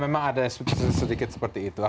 memang ada sedikit seperti itu